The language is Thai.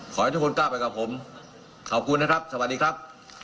ขอให้ทุกคนกล้าไปกับผมขอบคุณนะครับสวัสดีครับ